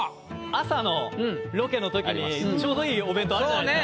朝のロケのときにちょうどいいお弁当あるじゃないっすか。